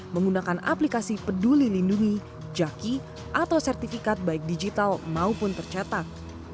menggunakan aplikasi peduli lindungi jaki atau sertifikat baik digital maupun tercetak